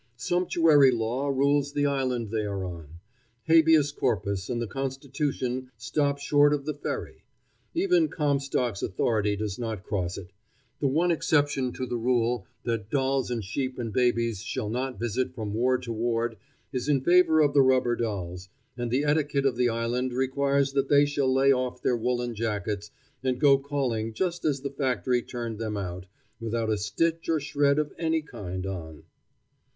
Sumptuary law rules the island they are on. Habeas corpus and the constitution stop short of the ferry. Even Comstock's authority does not cross it: the one exception to the rule that dolls and sheep and babies shall not visit from ward to ward is in favor of the rubber dolls, and the etiquette of the island requires that they shall lay off their woolen jackets and go calling just as the factory turned them out, without a stitch or shred of any kind on.